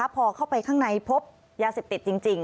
พอเข้าไปข้างในพบยาเสพติดจริง